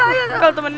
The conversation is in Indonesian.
ambil temen lu